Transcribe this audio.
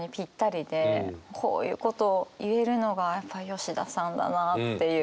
こういうことを言えるのがやっぱ吉田さんだなっていう。